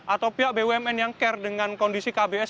atau pihak bumn yang care dengan kondisi kbs